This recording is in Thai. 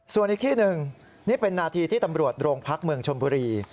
ส่วนอีกที่หนึ่งนี่เป็นนาทีที่ตำรวจโรงพักเมืองชนบุรี